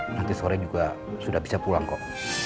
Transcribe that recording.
nanti sore juga sudah bisa pulang kok